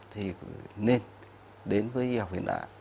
thì nên đến với y học hiện đại